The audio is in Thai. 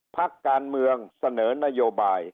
พักการเมืองเสนอนโยบาย